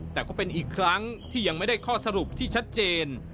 แต่ก็เป็นอีกครั้งที่ยังไม่ได้ข้อสรุปที่ชัดเจน